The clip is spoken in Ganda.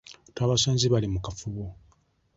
Twabasanze bali mu kafubo.